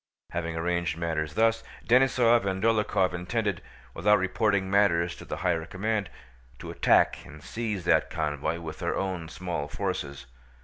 Having arranged matters thus, Denísov and Dólokhov intended, without reporting matters to the higher command, to attack and seize that convoy with their own small forces.